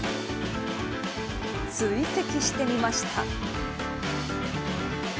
追跡してみました。